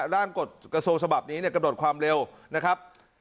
ร่างกฎกระทรวงฉบับนี้กระดดความเร็วนะครับ